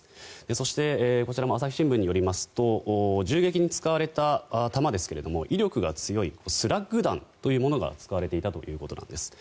そして、こちらも朝日新聞によりますと銃撃に使われた弾ですけど威力が強いスラッグ弾というものが使われていたということです。